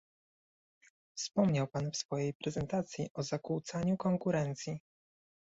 Wspomniał pan w swojej prezentacji o zakłócaniu konkurencji